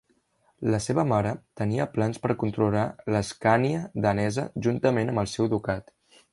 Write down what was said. La seva mare tenia plans per controlar l'Escània danesa juntament amb el seu ducat.